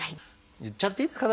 言っちゃっていいですか？